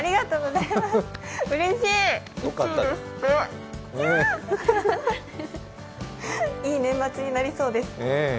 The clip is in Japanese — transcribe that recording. いい年末になりそうです。